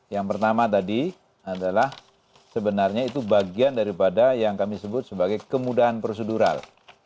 yang pertama tadi adalah sebenarnya itu bagian daripada yang kami sebut sebagai kemudahan prosedural